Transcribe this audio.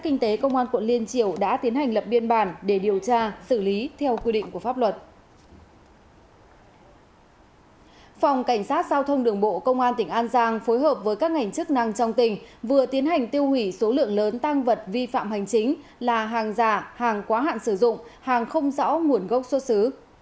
phòng cảnh sát giao thông đường bộ công an tỉnh an giang phối hợp với các ngành chức năng trong tỉnh vừa tiến hành tiêu hủy số lượng lớn tăng vật vi phạm hành chính là hàng giả hàng quá hạn sử dụng hàng không rõ nguồn gốc xuất xứ